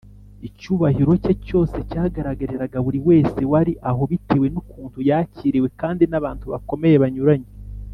icyubahiro cye cyose cyagaragariraga buri wese wari aho bitewe nukuntu yakiriwe kandi n’abantu bakomeye banyuranye.